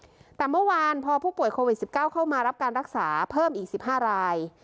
ตั้งแต่เมื่อเมื่อวานพั่วผู้ป่วยโควิด๑๙เข้ามาแล้วรับการรักษาเพิ่ม๑๕ราย